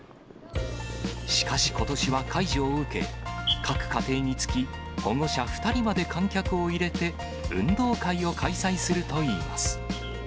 しかしことしは解除を受け、各家庭につき保護者２人まで観客を入れて、運動会を開催するといいます。